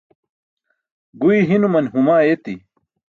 Guy hinuman huma ayeti.